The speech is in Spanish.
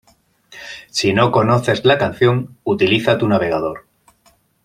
Si no conoces la canción, utiliza tu navegador.